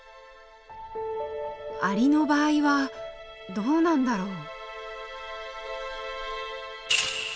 アリの場合はどうなんだろう。